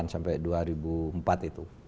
sembilan puluh delapan sampai dua ribu empat itu